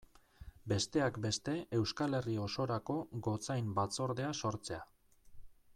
Besteak beste Euskal Herri osorako gotzain batzordea sortzea.